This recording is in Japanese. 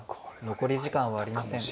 残り時間はありません。